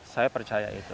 saya percaya itu